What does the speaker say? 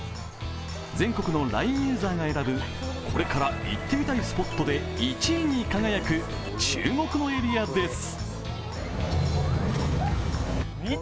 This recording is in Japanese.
全国のＬＩＮＥユーザーが選ぶこれから行ってみたいスポットで１位に輝く注目のエリアです。